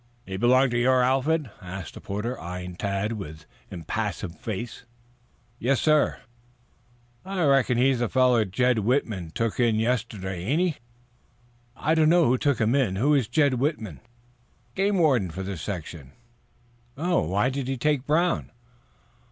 "He belong to your outfit?" asked the porter, eyeing Tad with impassive face. "Yes, sir." "I reckon he's the fellow Jed Whitman took in yesterday, ain't he?" "I don't know who took him in. Who is Jed Whitman?" "Game warden for this section." "Oh! Why did he take Brown?"